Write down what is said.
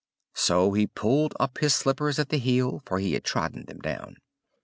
So he pulled up his slippers at the heel, for he had trodden them down.